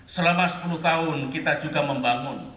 selama sepuluh tahun kita juga membangun